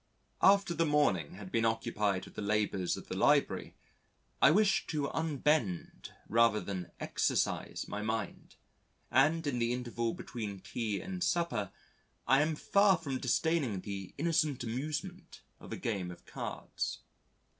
"After the morning has been occupied with the labours of the library, I wish to unbend rather than exercise my mind; and in the interval between tea and supper, I am far from disdaining the innocent amusement of a game of cards."